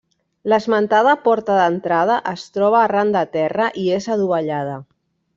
L'esmentada porta d'entrada es troba arran de terra i és adovellada.